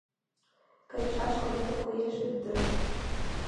Кайышаш корнет коеш вет дыр.